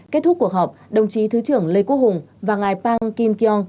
kết thúc cuộc họp đồng chí thứ trưởng lê quốc hùng và ngài pang kin kiong